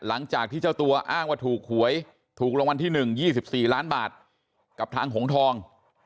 หลังจากที่เจ้าตัวอ้างว่าถูกหวยถูกรางวัลที่๑๒๔ล้านบาทกับทางหงทอง